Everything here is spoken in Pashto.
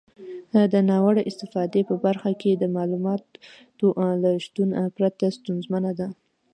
د ناوړه استفادې په برخه کې د معلوماتو له شتون پرته ستونزمنه ده.